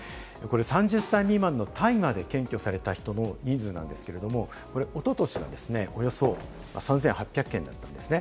３０歳未満の大麻で検挙された人の人数なんですけれども、おととしはおよそ３８００件なんですね。